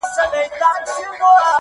• یاره چنار دي پېغور نه راکوي,